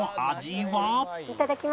いただきます！